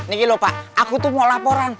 ini gitu loh pak aku tuh mau laporan